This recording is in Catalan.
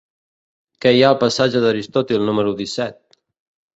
Què hi ha al passatge d'Aristòtil número disset?